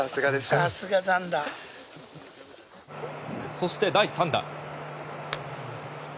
そして第３打。